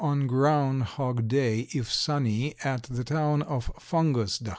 on ground hog day, if sunny, at the town of Fungus, Dak.